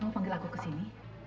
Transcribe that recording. panggil aku ke sini